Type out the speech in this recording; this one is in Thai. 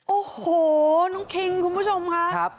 โอ้โหน้องคิงคุณผู้ชมค่ะ